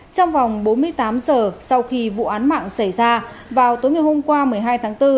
trong vòng bốn mươi tám giờ sau khi vụ án mạng xảy ra vào tối ngày hôm qua một mươi hai tháng bốn